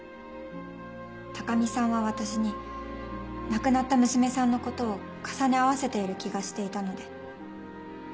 高見さんは私に亡くなった娘さんのことを重ね合わせている気がしていたので。